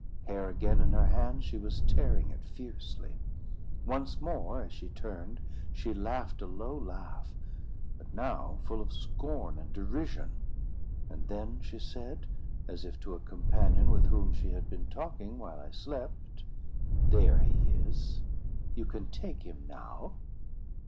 Hair again in her hands, she was tearing it fiercely. Once more, as she turned, she laughed a low laugh, but now full of scorn and derision; and then she said, as if to a companion with whom she had been talking while I slept, "There he is; you can take him now."